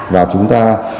và chúng ta